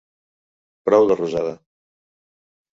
Prou de rosada!